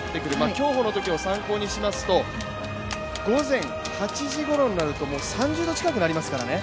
競歩のときを参考にしますと午前８時ごろになると３０度近くなりますからね